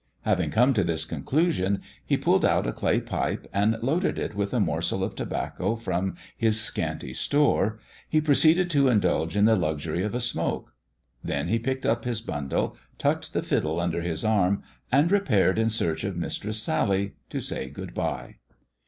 Having come to this conclusion he pulled out a clay pipe, and loading it with a morsel of tobacco from his scanty store, he proceeded to indulge in the luxury of a smoke. Then he picked up his bundle, tucked the fiddle und^ his arm, and repaired in search of Mistress Sally, to say good bye.